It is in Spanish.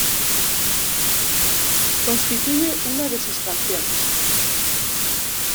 Constituye una de sus canciones.